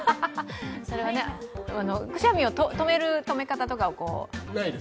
それはくしゃみを止める止め方とか